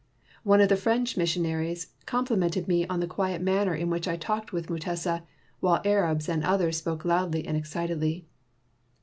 One of the French missionaries compli mented me on the quiet manner in which I talked with Mutesa, while Arabs and others spoke loudly and excitedly.